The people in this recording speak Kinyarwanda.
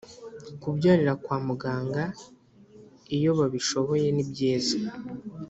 kubyarira kwa muganga iyo babishoboye nibyiza